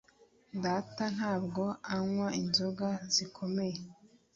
data ntabwo anywa inzoga zikomeye